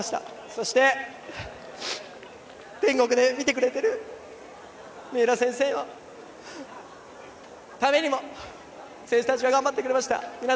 そして、天国で見てくれている三浦先生のためにも選手たちは頑張ってくれました。